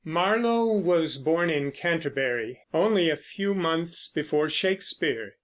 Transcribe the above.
Marlowe was born in Canterbury, only a few months before Shakespeare.